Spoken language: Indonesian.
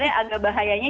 sebenarnya agak bahayanya